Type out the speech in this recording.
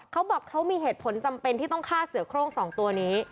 เขาบอกเขามีเหตุผลจำเป็นที่ต้องฆ่าเสือโครง๒ตัวนี้